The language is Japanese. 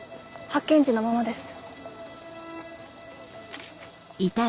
発見時のままです。